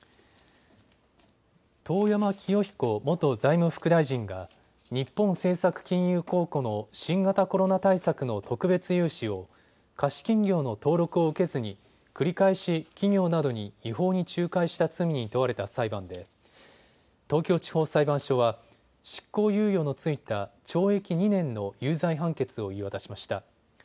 遠山清彦元財務副大臣が日本政策金融公庫の新型コロナ対策の特別融資を貸金業の登録を受けずに繰り返し企業などに違法に仲介した罪に問われた裁判で東京地方裁判所は執行猶予の付いた懲役２年の有罪判決を言い渡しました。